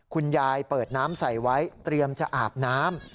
คุณยายเปิดน้ำใส่ไว้เตรียมจะอาบน้ำ